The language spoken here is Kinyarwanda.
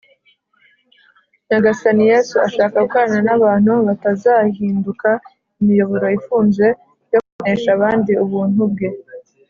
nyagasani yesu ashaka gukorana n’abantu batazahinduka imiyoboro ifunze yo kumenyesha abandi ubuntu bwe